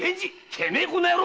てめえこの野郎！